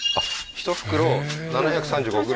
１袋７３５ｇ？